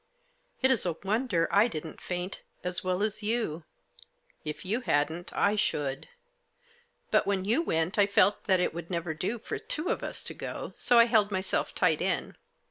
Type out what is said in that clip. " It is a wonder I didn't faint as well as you ; if you hadn't I should. But when you went I felt that it would never do for two of us to go, so I held myself tight in.